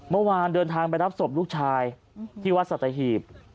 เมื่อวานเดินทางไปรับศพลูกชายที่วัดสัตหีบ